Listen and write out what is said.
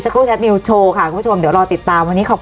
ขอบคุณครับ